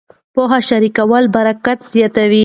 پوهه شریکول برکت زیاتوي.